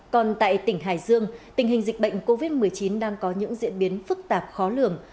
còn tại tỉnh hải dương tình hình dịch bệnh covid một mươi chín đang có những diễn biến phức tạp khó lường